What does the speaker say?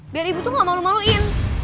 biar ibu tuh gak malu maluin